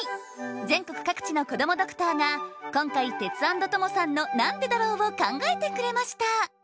全国各地のこどもドクターが今回テツａｎｄトモさんの「なんでだろう」を考えてくれました